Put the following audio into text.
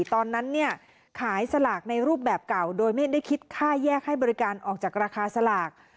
ตอนนั้นขายสลากในรูปแบบเก่าโดยไม่ได้คิดค่าแยกให้บริการออกจากราคาสลาก